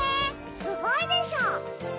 すごいでしょ？